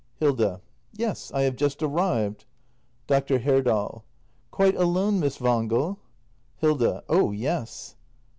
Hilda. Yes, I have just arrived. Dr. Herdal. Quite alone, Miss Wangel ? Hilda. Oh yes!